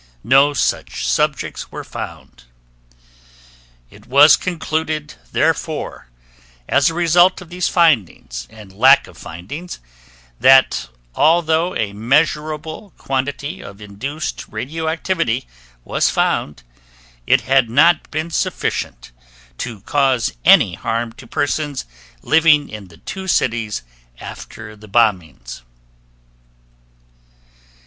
No such subjects were found. It was concluded therefore as a result of these findings and lack of findings, that although a measurable quantity of induced radioactivity was found, it had not been sufficient to cause any harm to persons living in the two cities after the bombings.